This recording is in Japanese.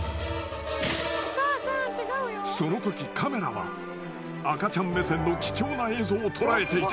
その時カメラは赤ちゃん目線の貴重な映像を捉えていた。